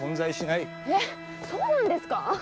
えっそうなんですかあ？